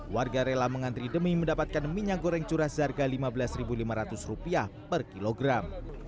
warga rela mengantri demi mendapatkan minyak goreng curah seharga rp lima belas lima ratus per kilogram